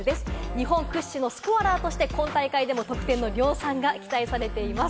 日本屈指のスコアラーとして、今大会でも得点の量産が期待されています。